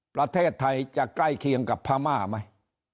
ประเทศไทยจะใกล้เคียงกับพม่าไหม